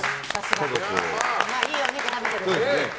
いいお肉食べてるからね。